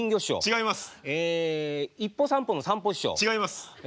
違います。